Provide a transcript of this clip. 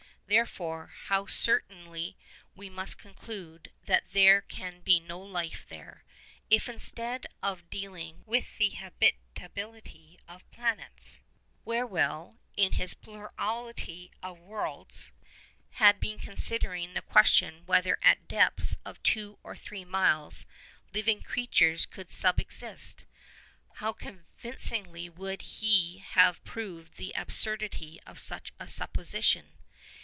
Therefore, how certainly we might conclude that there can be no life there. If, instead of dealing with the habitability of planets, Whewell, in his 'Plurality of Worlds,' had been considering the question whether at depths of two or three miles living creatures could subsist, how convincingly would he have proved the absurdity of such a supposition.